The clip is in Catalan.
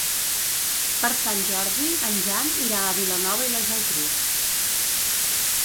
Per Sant Jordi en Jan irà a Vilanova i la Geltrú.